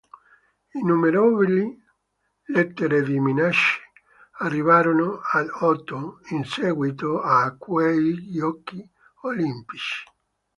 Innumerevoli lettere di minacce arrivarono ad Ohno in seguito a quei giochi olimpici.